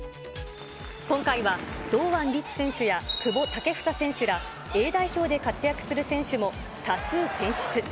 今回は、堂安律選手や久保建英選手ら、Ａ代表で活躍する選手も多数選出。